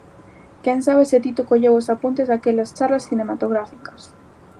Quen sabe se Tito colleu os apuntes daquelas charlas cinematográficas!